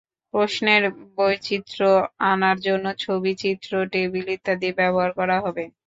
প্রশ্নের বৈচিত্র্য আনার জন্য ছবি, চিত্র, টেবিল ইত্যাদি ব্যবহার করা হবে।